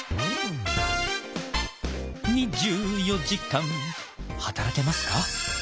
２４時間働けますか？